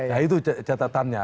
nah itu catatannya